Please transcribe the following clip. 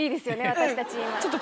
私たち今。